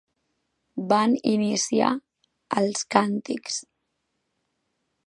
Van iniciar els càntics.